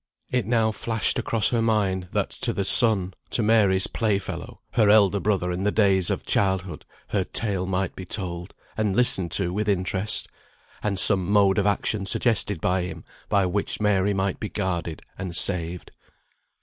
It now flashed across her mind, that to the son, to Mary's play fellow, her elder brother in the days of childhood, her tale might be told, and listened to with interest, and some mode of action suggested by him by which Mary might be guarded and saved.